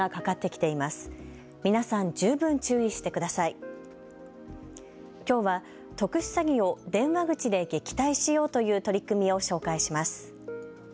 きょうは特殊詐欺を電話口で撃退しようという取り組みを紹介します。